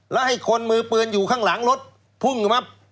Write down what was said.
แล้วให้คนมือปืนอยู่ข้างหลังรถพุ่งมา